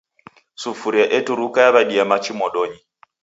Sufuria eturuka yawedia machi modonyi